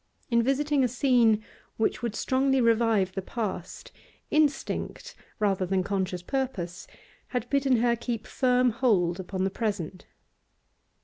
In visiting a scene which would strongly revive the past, instinct rather than conscious purpose had bidden her keep firm hold upon the present.